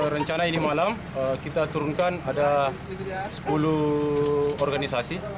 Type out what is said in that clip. rencana ini malam kita turunkan ada sepuluh organisasi